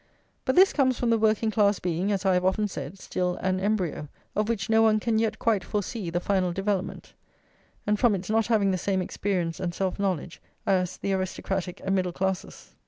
But this comes from the working class being, as I have often said, still an embryo, of which no one can yet quite foresee the final development; and from its not having the same experience and self knowledge as the aristocratic and middle classes.